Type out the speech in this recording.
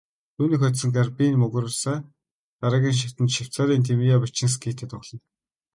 Түүнийг хожсон Гарбинэ Мугуруса дараагийн шатанд Швейцарын Тимея Бачинскитэй тоглоно.